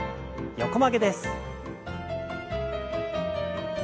横曲げです。